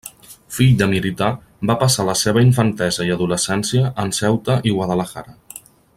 Fill de militar, va passar la seva infantesa i adolescència en Ceuta i Guadalajara.